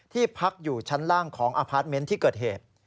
พักอยู่ชั้นล่างของอพาร์ทเมนต์ที่เกิดเหตุ